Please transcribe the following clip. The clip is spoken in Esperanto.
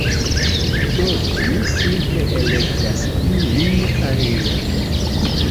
Do, mi simple elektas iun alian